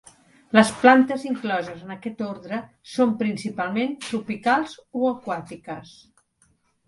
Les plantes incloses en aquest ordre són principalment tropicals o aquàtiques.